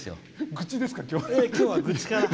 愚痴ですか、今日。